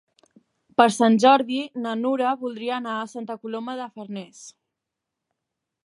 Per Sant Jordi na Nura voldria anar a Santa Coloma de Farners.